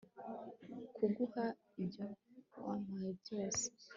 kuguha ibyo wampaye byose